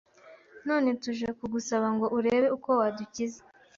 none tuje kugusaba ngo urebe uko wadukiza